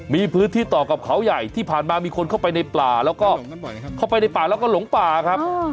มีพื้นที่ต่อกับเขาใหญ่ที่ผ่านมามีคนเข้าไปในป่าแล้วก็เข้าไปในป่าแล้วก็หลงป่าครับ